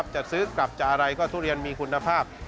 จะซื้อกลับจากอะไรก็ทุเรียนมีคุณภาพ